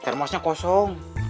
nah termosnya kosong